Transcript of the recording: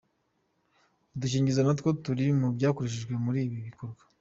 Udukingirizo natwo turi mu byakoreshejwe muri ibi bikorwa.